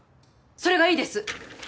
それがいいです。